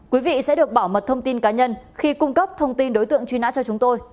quý vị sẽ được bảo mật thông tin cá nhân khi cung cấp thông tin đối tượng truy nã cho chúng tôi